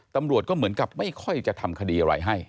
ตำรวจก็เหมือนกับไม่ค่อยจะทำคดีอะไรให้